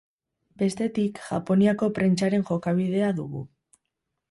Bestetik, Japoniako prentsaren jokabidea dugu.